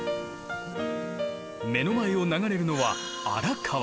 目の前を流れるのは荒川。